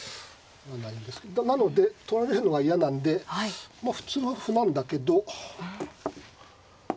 なので取られるのが嫌なんで普通は歩なんだけど。